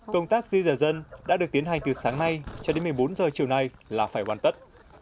công tác di rời dân đã được tiến hành từ sáng nay cho đến một mươi bốn giờ chiều nay là phải hoàn tất